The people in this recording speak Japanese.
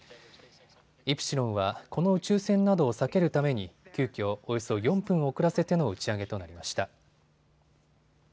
イプシロンはこの宇宙船などを避けるために急きょ、およそ４分遅らせての打ち上げとなりました。